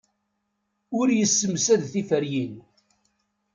Ur yessemsad tiferyin.